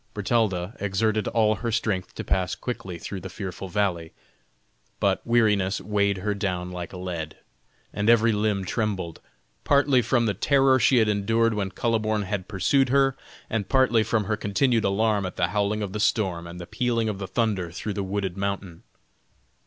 Bertalda exerted all her strength to pass quickly through the fearful valley, but weariness weighed her down like lead, and every limb trembled, partly from the terror she had endured when Kuhleborn had pursued her, and partly from her continued alarm at the howling of the storm and the pealing of the thunder through the wooded mountain.